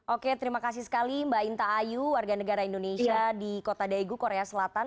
oke terima kasih sekali mbak inta ayu warga negara indonesia di kota daegu korea selatan